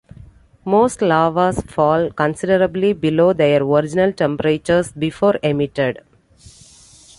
Most lavas fall considerably below their original temperatures before emitted.